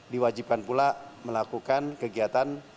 diwajibkan pula melakukan kegiatan